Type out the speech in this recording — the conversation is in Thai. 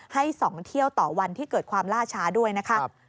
ให้๒เที่ยวต่อวันที่เกิดความล่าช้าด้วยนะคะ